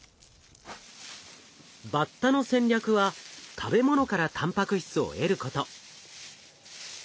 バッタの戦略は食べ物からたんぱく質を得ること。